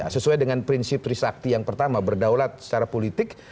sesuai dengan prinsip trisakti yang pertama berdaulat secara politik